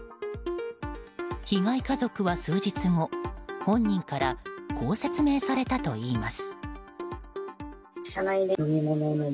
被害家族は数日後、本人からこう説明されたといいます。